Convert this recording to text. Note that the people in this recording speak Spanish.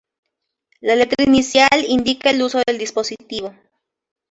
La letra inicial indica el uso del dispositivo.